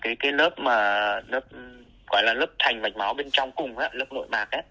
cái lớp gọi là lớp thành mạch máu bên trong cùng lớp nội mạc